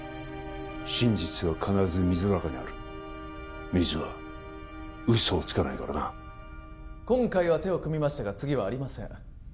真実は必ず水の中にある水は嘘をつかないからな今回は手を組みましたが次はありません